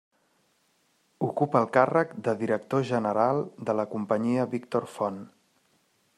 Ocupa el càrrec de director general de la companyia Víctor Font.